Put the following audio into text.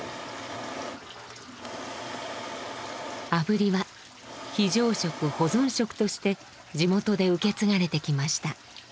あぶりは非常食保存食として地元で受け継がれてきました。